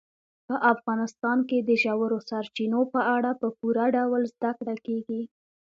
په افغانستان کې د ژورو سرچینو په اړه په پوره ډول زده کړه کېږي.